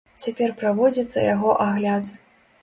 Цяпер праводзіцца яго агляд.